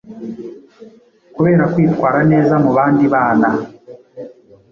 kubera kwitwara neza mu bandi bana